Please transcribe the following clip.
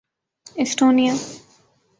Estonia